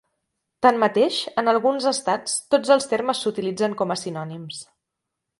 Tanmateix, en alguns estats, tots els termes s'utilitzen com a sinònims.